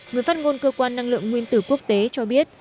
người phát ngôn cơ quan năng lượng nguyên tử quốc tế cho biết